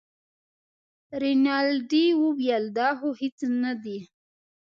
رینالډي وویل دا خو هېڅ نه دي.